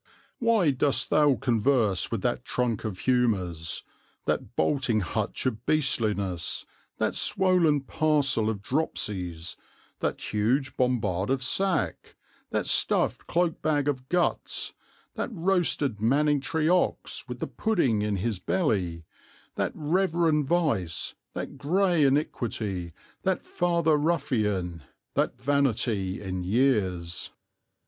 "Why dost thou converse with that trunk of humours, that bolting hutch of beastliness, that swollen parcel of dropsies, that huge bombard of sack, that stuffed cloak bag of guts, that roasted Manningtree ox with the pudding in his belly, that reverend vice, that grey iniquity, that father ruffian, that vanity in years?"